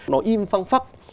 nó im phăng phắc